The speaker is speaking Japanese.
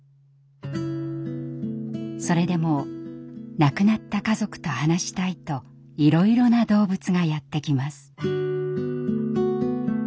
それでも亡くなった家族と話したいといろいろな動物がやって来ます。